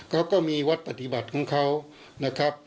เขาก็มีวัดปฏิบัติของเขานะครับ